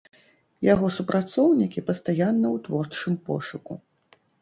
Яго супрацоўнікі пастаянна ў творчым пошуку.